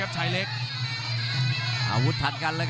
และอัพพิวัตรสอสมนึก